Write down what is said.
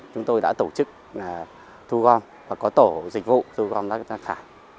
chúng tôi đã tổ chức thu gom và có tổ dịch vụ thu gom rác thải